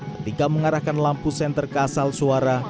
ketika mengarahkan lampu senter ke asal suara